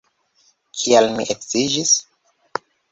Kial mi edziĝis?